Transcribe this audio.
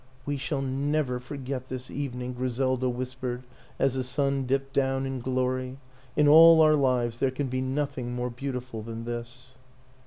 ' We shall never forget this evening," Griselda whispered as the sun dipped down in glory. " In all our lives there can be nothing more beautiful than this."